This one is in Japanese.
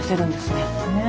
ねえ。